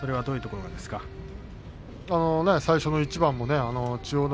最初の一番もね千代ノ